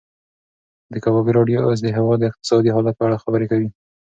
د کبابي راډیو اوس د هېواد د اقتصادي حالت په اړه خبرې کوي.